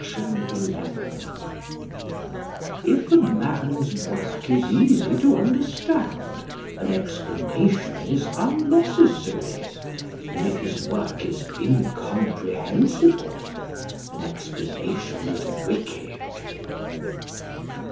_If a man's work is easy to understand an explanation is unnecessary, and if his work is incomprehensible an explanation is wicked.